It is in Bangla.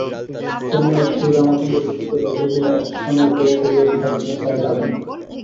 চেন্নাইয়ের শ্রী রামাচন্দ্র বিশ্ববিদ্যালয়ে একই দিনে অ্যাকশনের পরীক্ষা দিয়েছেন পাকিস্তানেরর সাঈদ আজমলও।